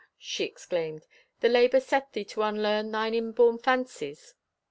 she exclaims, "the labor set thee to unlearn thine inborn fancies!"